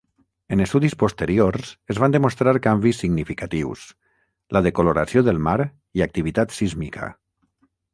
En estudis posteriors es van demostrar canvis significatius: la decoloració del mar i activitat sísmica.